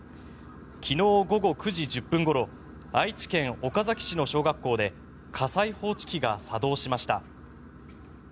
昨日午後９時１０分ごろ愛知県岡崎市の小学校で火災報知機が作動しました。